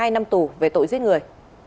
một mươi hai năm tù về tội giết người